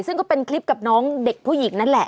ซึ่งก็เป็นคลิปกับน้องเด็กผู้หญิงนั่นแหละ